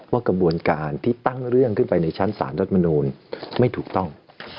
กระบวนการที่ตั้งเรื่องขึ้นไปในชั้นสารรัฐมนูลไม่ถูกต้อง